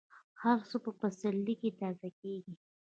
هر څه په پسرلي کې تازه کېږي.